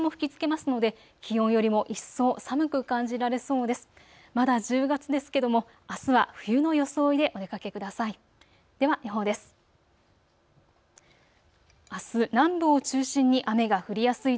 まだ１０月ですけれどもあすは冬の装いでお出かけください。